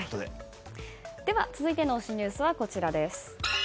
続いての推しニュースはこちら。